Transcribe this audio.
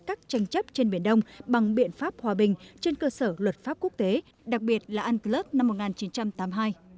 các tranh chấp trên biển đông bằng biện pháp hòa bình trên cơ sở luật pháp quốc tế đặc biệt là unclus năm một nghìn chín trăm tám mươi hai